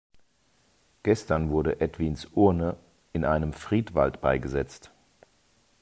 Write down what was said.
Gestern wurde Edwins Urne in einem Friedwald beigesetzt.